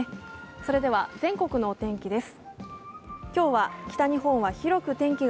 それでは全国のお天気です。